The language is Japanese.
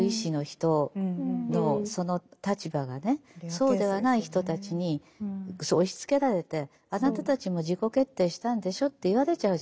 そうではない人たちに押しつけられてあなたたちも自己決定したんでしょって言われちゃうじゃないですか。